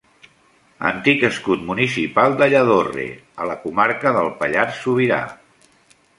Antic escut municipal de Lladorre, a la comarca del Pallars Sobirà.